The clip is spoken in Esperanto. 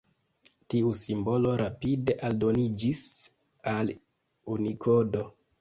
Tiu simbolo rapide aldoniĝis al Unikodo.